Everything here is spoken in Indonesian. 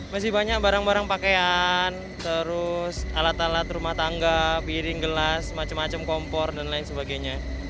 masih banyak barang barang pakaian terus alat alat rumah tangga piring gelas macam macam kompor dan lain sebagainya